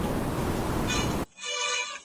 قلمي خط خام معلومات په پخه پوهه بدلوي.